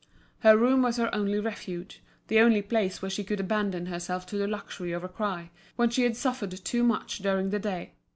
Her room was her only refuge, the only place where she could abandon herself to the luxury of a cry, when she had suffered too much during the day.